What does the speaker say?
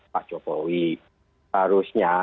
pak jokowi harusnya